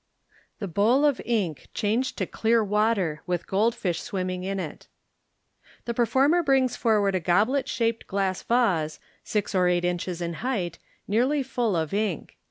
The Bowl of Ink changed to clear Water, with Gold Fish Swimming in it. — The performer brings forward a goblet shaped glass vase, six or eight inches in height, nearly fall of ink.